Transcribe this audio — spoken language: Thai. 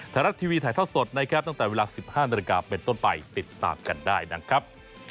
ไทยรัฐทีวีถ่ายทอดสดนะครับตั้งแต่เวลา๑๕นาฬิกาเป็นต้นไปติดตามกันได้นะครับ